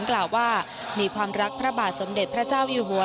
กล่าวว่ามีความรักพระบาทสมเด็จพระเจ้าอยู่หัว